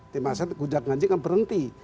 di masa itu hujan kanji akan berhenti